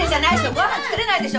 ご飯作れないでしょ。